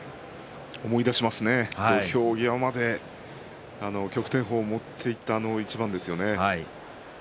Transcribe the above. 思い出しますね土俵際まで旭天鵬を持っていったあの一番ですよね。